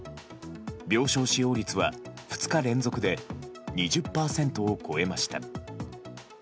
病床使用率は２日連続で２０％を超えました。